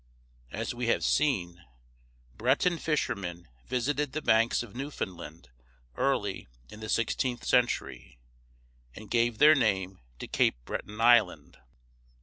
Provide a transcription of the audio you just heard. As we have seen, Breton fishermen visited the banks of Newfoundland early in the sixteenth century, and gave their name to Cape Breton Island.